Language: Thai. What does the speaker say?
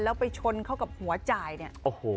แล้วไปชนเข้ากับหัวจ่ายเนี่ยโอ้โห